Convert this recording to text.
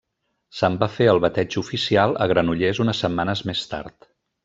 Se'n va fer el bateig oficial a Granollers unes setmanes més tard.